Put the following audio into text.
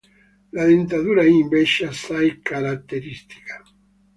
La dentatura è invece assai caratteristica.